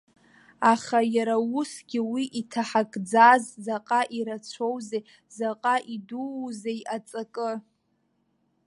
Аха иара усгьы уи иҭаҳакӡаз заҟа ирацәоузеи, заҟа идуузеи аҵакы!